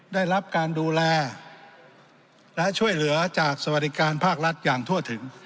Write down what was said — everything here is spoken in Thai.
ได้รับการดูแลและช่วยเหลือจากสวัสดิการภาครัฐอย่างทั่วถึง